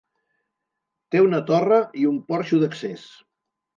Té una torre i un porxo d'accés.